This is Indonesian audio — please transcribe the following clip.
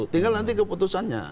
tinggal nanti keputusannya